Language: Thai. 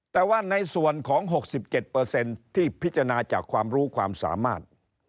แต่ว่าในส่วนของ๖๗ที่พิจารณาจากความรู้ความสามารถ